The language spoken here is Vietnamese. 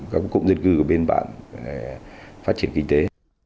các cụm dân cư của bên bạn phát triển kinh tế